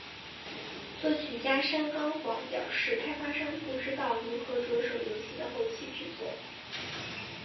作曲家山冈晃表示开发商不知道如何着手游戏的后期制作。